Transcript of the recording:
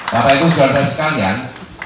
bapak ibu saudara sekalian